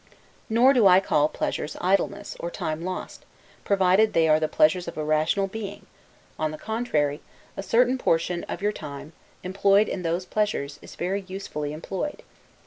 Nor do I call pleasures idleness, or time lost, provided they are the pleasures of a rational being; on the contrary, a certain portion of your time, employed in those pleasures, is very usefully employed.